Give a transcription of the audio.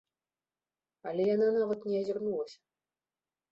Але яна нават не азірнулася.